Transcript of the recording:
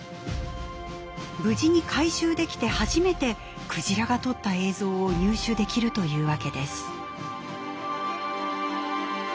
無事に回収できて初めてクジラが撮った映像を入手できるというわけです。